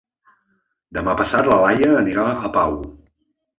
Demà passat na Laia anirà a Pau.